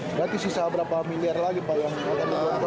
berarti sisa berapa miliar lagi pak yang